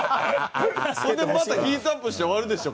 そんでまたヒートアップして終わるでしょ。